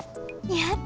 やった！